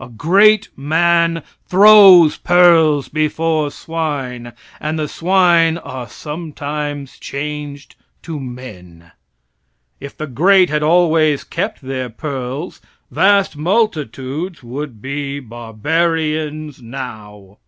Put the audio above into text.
A great man throws pearls before swine, and the swine are sometimes changed to men. If the great had always kept their pearls, vast multitudes would be barbarians now.